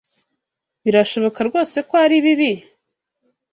Birashoboka rwose ko ari bibi?